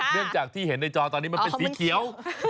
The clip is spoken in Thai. เนื่องจากที่เห็นในจอตอนนี้มันเป็นสีเขียว